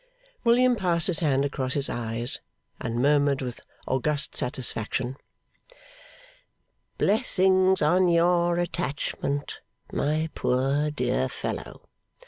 William passed his hand across his eyes, and murmured with august satisfaction, 'Blessings on your attachment, my poor dear fellow!